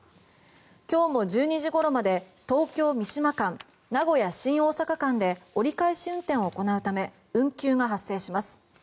今日も１２時ごろまで東京三島間名古屋新大阪間で折り返し運転を行うため運休が発生します。